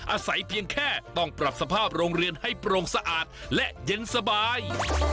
อาศัยเพียงแค่ต้องปรับสภาพโรงเรียนให้โปร่งสะอาดและเย็นสบาย